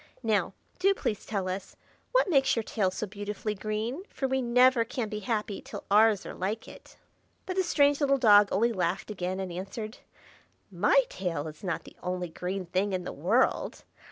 Now, do please tell us what makes your tail so beautifully green, for we never can be happy till ours are like it." But the strange little dog only laughed again and answered, "My tail is not the only green thing in the world.